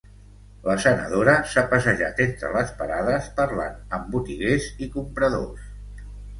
La senadora s’ha passejat entre les parades parlant amb botiguers i compradors.